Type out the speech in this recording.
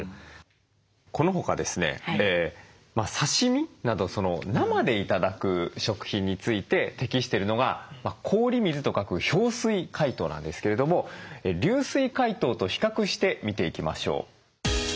この他ですね刺身など生で頂く食品について適してるのが「氷水」と書く氷水解凍なんですけれども流水解凍と比較して見ていきましょう。